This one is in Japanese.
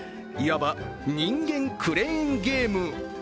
いわば、人間グレーンゲーム。